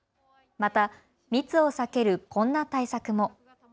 また、密を避けるこんな対策も。